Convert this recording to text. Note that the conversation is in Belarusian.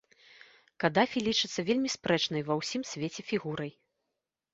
Кадафі лічыцца вельмі спрэчнай ва ўсім свеце фігурай.